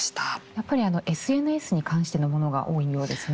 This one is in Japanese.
やっぱりＳＮＳに関してのものが多いようですね。